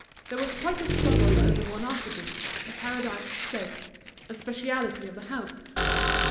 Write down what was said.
There was quite a struggle over one article, The Paradise soap, a specialty of the house.